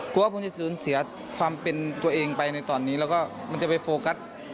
ว่าผมจะสูญเสียความเป็นตัวเองไปในตอนนี้แล้วก็มันจะไปโฟกัส